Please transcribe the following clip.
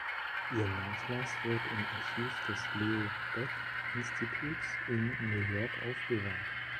Ihr Nachlass wird im Archiv des Leo Baeck Instituts in New York aufbewahrt.